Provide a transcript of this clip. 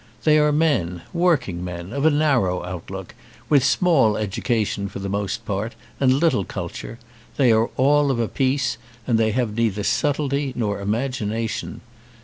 They are men, working men, of a narrow outlook, with small education for the most part and little cul ture; they are all of a piece, and they have neither subtlety nor imagination.